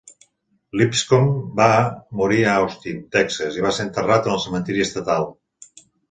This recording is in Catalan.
Lipscomb va morir a Austin, Texas, i va ser enterrat en el cementiri estatal.